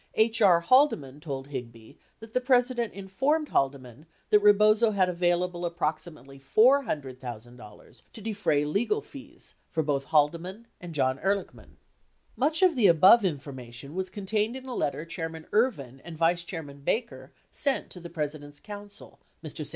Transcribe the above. Haldeman told Higby that the President informed Haldeman that Rebozo had avail able approximately $400,000 to defray legal fees for both Haldeman and John Ehrlichman. Much of the above information was contained in a letter Chairman Ervin and Vice Chairman Baker sent to the President's counsel, Mr. St.